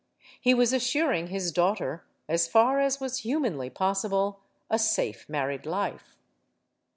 He was assuring his daughter as far as was humanly possible a safe married life.